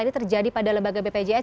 ini terjadi pada lembaga bpjs